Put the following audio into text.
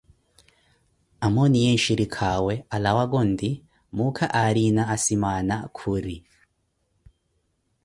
Amooniyeevo nxhirikhawe alawaka onti, muukha aarina asimaana khuri.